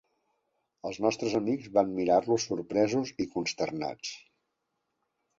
Els nostres amics van mirar-los sorpresos i consternats.